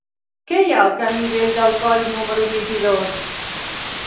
Què hi ha al camí Vell del Coll número vint-i-dos?